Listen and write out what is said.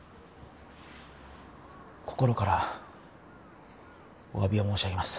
心からお詫びを申し上げます